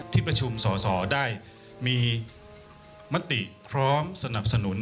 ที่ประชุมสอสอได้มีมติพร้อมสนับสนุน